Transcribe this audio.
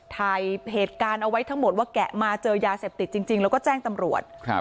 ถ่ายเหตุการณ์เอาไว้ทั้งหมดว่าแกะมาเจอยาเสพติดจริงแล้วก็แจ้งตำรวจ